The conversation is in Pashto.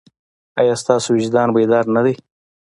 ایا ستاسو وجدان بیدار نه دی؟